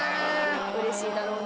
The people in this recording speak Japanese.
うれしいだろうね。